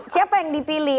siapa yang dipilih